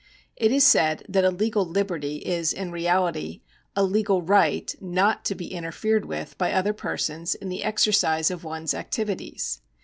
It is said that a legal liberty is in reality a legal right not to be interfered with by other persons in the exercise of one's activities.